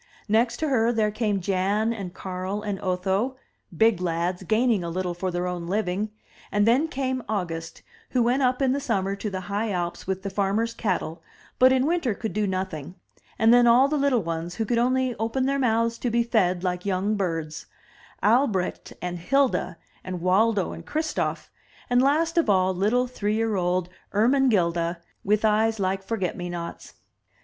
Next to her there came Jan and Karl and Otho, big lads, gaining a little for their own living; and then came August, who went up in the summer to the high alps with the farmers' cattle, but in winter could do nothing; and then all the little ones, who could only open their mouths to be fed like young birds— Albrecht and Hilda, and Waldo and Christof, and last of all httle three year old Ermengilda, with eyes like forget me nots.